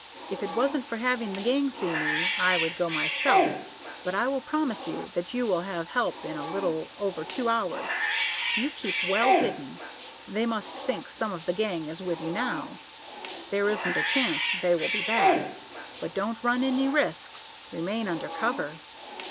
If it wasn't for having the gang see me, I would go myself; but I will promise you that you will have help in a little over two hours. You keep well hidden. They must think some of the gang is with you now. There isn't a chance that they will be back, but don't run any risks. Remain under cover.